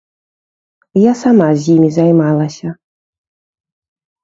Я сама з імі займалася.